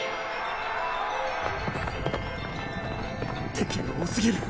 敵が多すぎる。